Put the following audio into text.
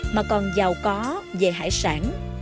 mà còn giàu có về hải sản